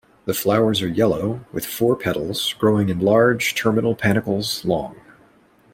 The flowers are yellow, with four petals, growing in large terminal panicles long.